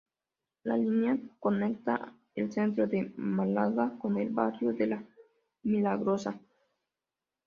La línea conecta el centro de Málaga con el barrio de la Milagrosa.